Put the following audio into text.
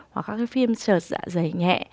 hoặc các phim trợt dạ dày nhẹ